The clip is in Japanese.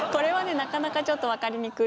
なかなかちょっと分かりにくい。